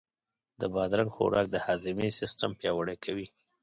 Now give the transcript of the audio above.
د بادرنګ خوراک د هاضمې سیستم پیاوړی کوي.